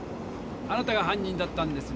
あなたが犯人だったんですね？